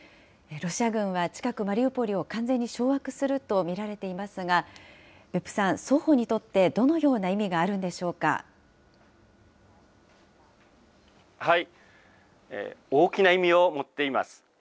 ロシア軍は、近くマリウポリを完全に掌握すると見られていますが、別府さん、双方にとってどのよう大きな意味を持っています。